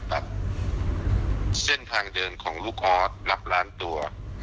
เส้นทางเดินของลูกออสนับล้านตัว